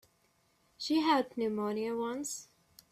She had pneumonia once.